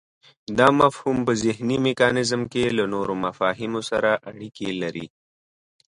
دا مفهوم په ذهني میکانیزم کې له نورو مفاهیمو سره اړیکی لري